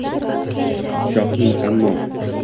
Shohning ammo